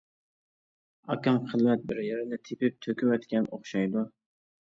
ئاكام خىلۋەت بىر يەرنى تېپىپ تۆكۈۋەتكەن ئوخشايدۇ.